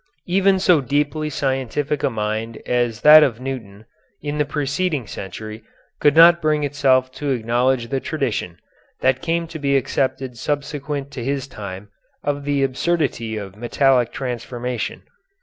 Even so deeply scientific a mind as that of Newton, in the preceding century, could not bring itself to acknowledge the tradition, that came to be accepted subsequent to his time, of the absurdity of metallic transformation.